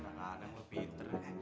anak anak lebih terhenti